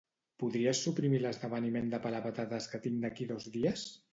Podries suprimir l'esdeveniment de pelar patates que tinc d'aquí a dos dies?